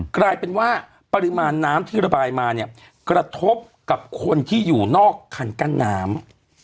กลายเป็นว่าปริมาณน้ำที่ระบายมาเนี่ยกระทบกับคนที่อยู่นอกคันกั้นน้ำ